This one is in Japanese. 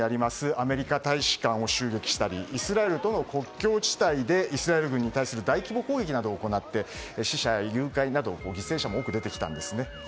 アメリカ大使館を襲撃したりイスラエルとの国境地帯でイスラエル軍に対する大規模攻撃などを行って死者や誘拐など犠牲者も多く出てきたんですね。